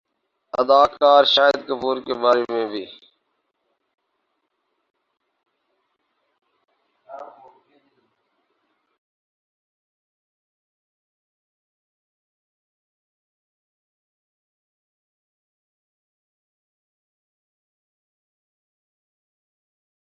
بال tampering case Steve Smith اور David Warner پر ایک سال کی پابندی